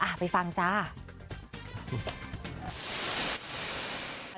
อ่าไปฟังจ้า